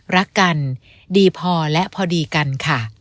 รักกันดีพอและพอดีกันค่ะ